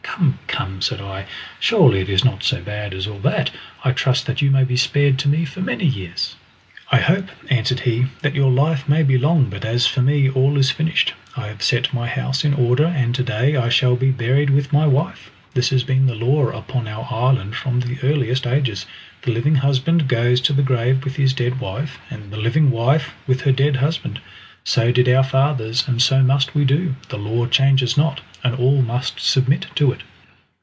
"Come, come!" said I, "surely it is not so bad as all that. I trust that you may be spared to me for many years." "I hope," answered he, "that your life may be long, but as for me, all is finished. I have set my house in order, and to day I shall be buried with my wife. This has been the law upon our island from the earliest ages the living husband goes to the grave with his dead wife, the living wife with her dead husband. So did our fathers, and so must we do. The law changes not, and all must submit to it!"